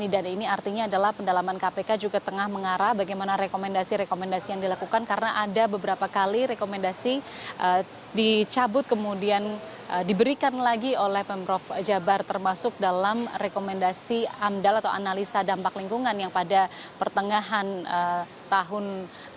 dan ini artinya adalah pendalaman kpk juga tengah mengarah bagaimana rekomendasi rekomendasi yang dilakukan karena ada beberapa kali rekomendasi dicabut kemudian diberikan lagi oleh pemprov jawa barat termasuk dalam rekomendasi amdal atau analisa dampak lingkungan yang pada pertengahan tahun